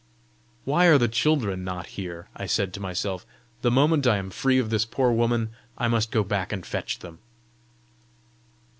"Why are the children not here!" I said to myself. "The moment I am free of this poor woman, I must go back and fetch them!"